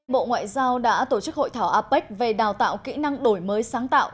bộ ngoại giao đã tổ chức hội thảo apec về đào tạo kỹ năng đổi mới sáng tạo